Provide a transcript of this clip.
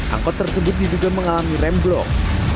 angkut tersebut diduga mengalami rem blok